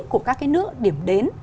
của các cái nước điểm đến